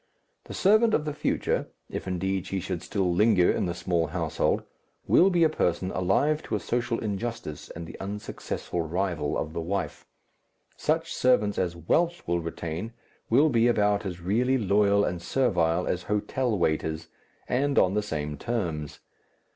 The servant of the future, if indeed she should still linger in the small household, will be a person alive to a social injustice and the unsuccessful rival of the wife. Such servants as wealth will retain will be about as really loyal and servile as hotel waiters, and on the same terms.